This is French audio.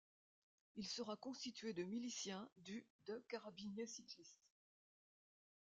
Il sera constitué de miliciens du de carabiniers-cyclistes.